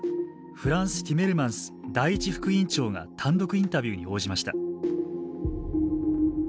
フランス・ティメルマンス第一副委員長が単独インタビューに応じました。